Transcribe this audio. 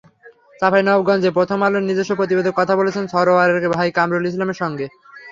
চাঁপাইনবাবগঞ্জে প্রথম আলোর নিজস্ব প্রতিবেদক কথা বলেছেন সারোয়ারের ভাই কামরুল ইসলামের সঙ্গে।